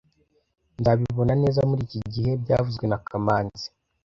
Nzabibona neza muriki gihe byavuzwe na kamanzi